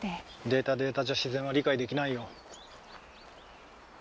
データデータじゃ自然は理解出来ないよ。